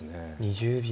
２０秒。